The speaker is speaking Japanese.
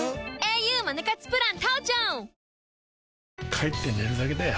帰って寝るだけだよ